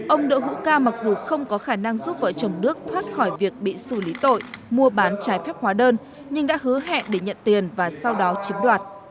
ông đỗ hữu ca mặc dù không có khả năng giúp vợ chồng đức thoát khỏi việc bị xử lý tội mua bán trái phép hóa đơn nhưng đã hứa hẹn để nhận tiền và sau đó chiếm đoạt